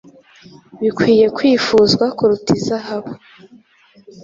Bikwiriye kwifuzwa kuruta izahabu,